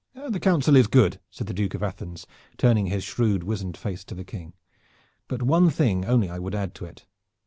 "The counsel is good," said the Duke of Athens, turning his shrewd wizened face to the King; "but one thing only I would add to it.